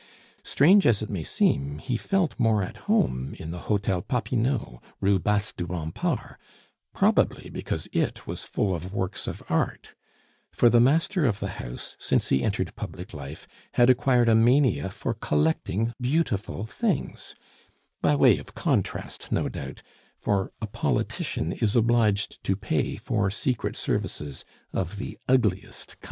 Strange as it may seem, he felt more at home in the Hotel Popinot, Rue Basse du Rempart, probably because it was full of works of art; for the master of the house, since he entered public life, had acquired a mania for collecting beautiful things, by way of contrast no doubt, for a politician is obliged to pay for secret services of the ugliest kind.